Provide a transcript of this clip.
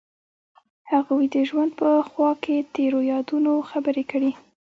هغوی د ژوند په خوا کې تیرو یادونو خبرې کړې.